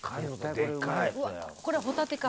「うわこれホタテか」